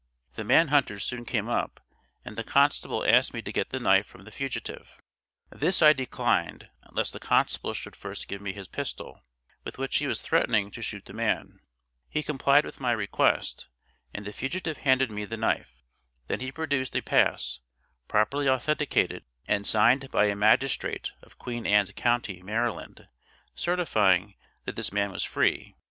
The man hunters soon came up, and the constable asked me to get the knife from the fugitive. This I declined, unless the constable should first give me his pistol, with which he was threatening to shoot the man. He complied with my request, and the fugitive handed me the knife. Then he produced a pass, properly authenticated, and signed by a magistrate of Queen Ann's county, Maryland, certifying that this man was free!